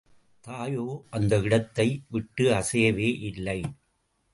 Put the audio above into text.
தாயோ அந்த இடத்தை விட்டு அசையவே இல்லை.